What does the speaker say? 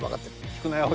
引くなよ。